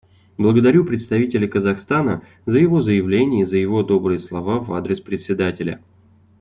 Благодарю представителя Казахстана за его заявление и за его добрые слова в адрес Председателя.